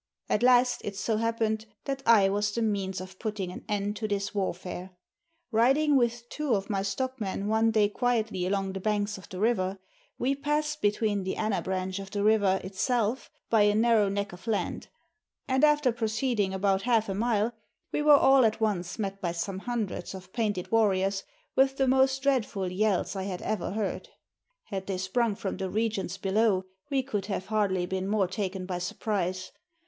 At last, it so happened that I was the means of putting an end to this warfare. Elding with two of my stockmen one day quietly along the banks of the river, we passed between the ana branch of the river itself by a narrow neck of land, and, after proceeding about half a mile, we were all at once met by some hundreds of painted warriors with the most dreadful yells I had ever heard. Had they sprung from the regions below we could have hardly been more taken by surprise.